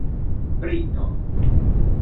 brito